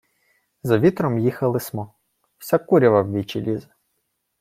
— За вітром їхали смо. Вся курява в вічі лізе.